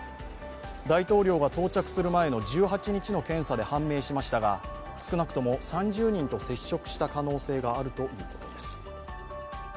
大統領が到着する前の１８日の検査で判明しましたが、少なくとも３０人と接触した可能性があるということです。